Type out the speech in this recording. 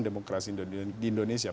demokrasi di indonesia